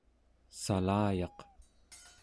salayaq